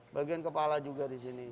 bagian kepala juga di sini